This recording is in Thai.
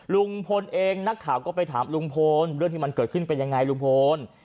ลุงพลเองนักข่าวก็ไปถามลุงพลเรื่องที่มันเกิดขึ้นเป็นยังไงลุงพล